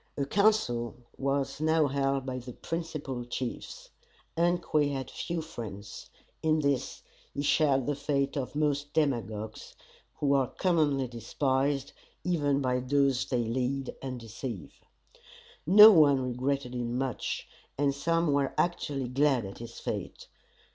A council was now held by the principal chiefs. Ungque had few friends. In this, he shared the fate of most demagogues, who are commonly despised even by those they lead and deceive. No one regretted him much, and some were actually glad at his fate.